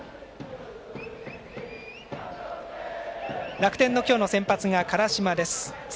楽天の今日の先発が辛島です。